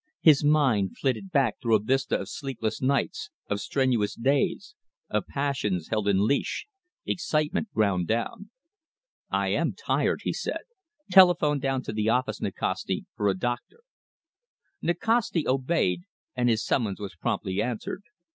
His mind flitted back through a vista of sleepless nights, of strenuous days, of passions held in leash, excitement ground down. "I am tired," he said. "Telephone down to the office, Nikasti, for a doctor." Nikasti obeyed, and his summons was promptly answered.